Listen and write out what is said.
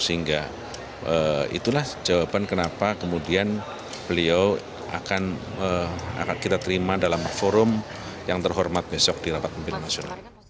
sehingga itulah jawaban kenapa kemudian beliau akan kita terima dalam forum yang terhormat besok di rapat pimpinan nasional